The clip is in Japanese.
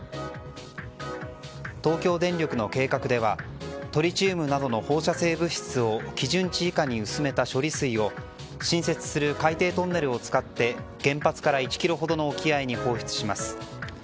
東京電力の計画ではトリチウムなどの放射性物質を基準値以下に薄めた処理水を新設する海底トンネルを使って原発から１ｋｍほどの沖合に放出します。